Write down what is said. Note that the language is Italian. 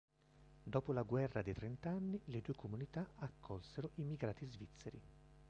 Dopo la guerra dei trent'anni, le due comunità accolsero immigranti svizzeri.